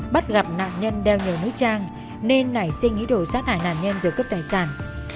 bắt gặp nạn nhân đeo nhiều núi trang nên nảy suy nghĩ đổ sát hại nạn nhân giữa cướp tài sản